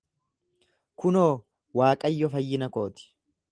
Kunoo, Waaqayyo fayyina kooti.